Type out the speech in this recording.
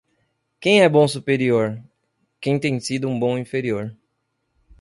Quem é bom superior? Quem tem sido um bom inferior.